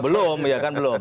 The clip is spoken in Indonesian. belum ya kan belum